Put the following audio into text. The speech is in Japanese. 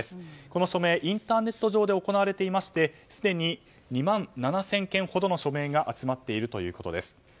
この署名、インターネット上で行われていましてすでに２万７０００件ほどの署名が集まっているということです。